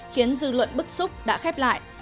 khiến dư luận bức xúc đã khép lại